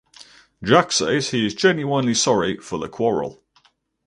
Jack says he is genuinely sorry for the quarrel.